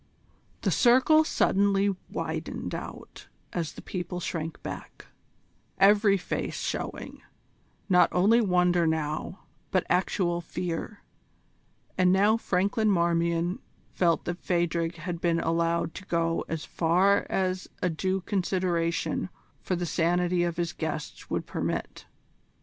The circle suddenly widened out as the people shrank back, every face showing, not only wonder now, but actual fear; and now Franklin Marmion felt that Phadrig had been allowed to go as far as a due consideration for the sanity of his guests would permit.